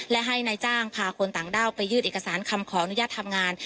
และให้นายจ้างพาคนต่างด้าวไปยื่นเอกสารคำขออนุญาตทำงาน